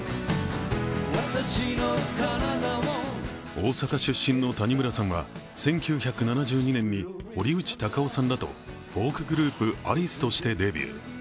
大阪出身の谷村さんは１９７２年に堀内孝雄さんらとフォークグループ、アリスとしてデビュー。